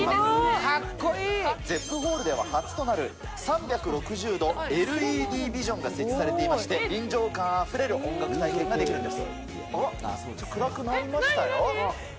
ゼップホールでは初となる、３６０度ＬＥＤビジョンが設置されていまして、臨場感あふれる音楽体験ができるんです。